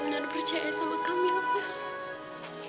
mama benar benar percaya sama kamila mak